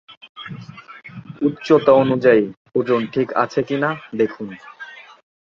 উচ্চতা অনুযায়ী ওজন ঠিক আছে কি না দেখুন।